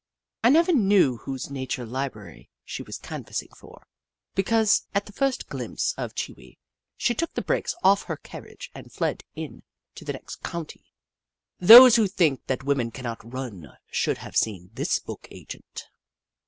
I never knew whose Nature Library she was canvassing for, because, at the first glimpse of Chee Wee, she took the brakes off her carriage and fled in to the next county. Those who think that women cannot run should have seen this book agent.